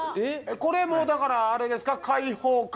これもだからあれですか？